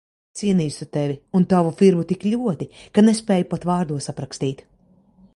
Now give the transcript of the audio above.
Es ienīstu Tevi un tavu firmu tik ļoti, ka nespēju pat vārdos aprakstīt.